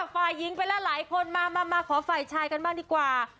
ฝ่ายหญิงไปแล้วหลายคนมามาขอฝ่ายชายกันบ้างดีกว่า